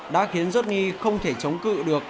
đã khiến yudny không thể chống cự được